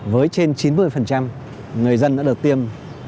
với trên chín mươi người dân đã được tiêm